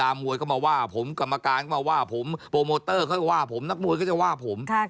มวยก็มาว่าผมกรรมการก็มาว่าผมโปรโมเตอร์ค่อยว่าผมนักมวยก็จะว่าผม